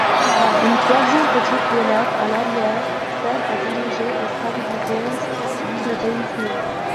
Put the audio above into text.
Une troisième petite roulette à l'arrière sert à diriger et stabiliser le véhicule.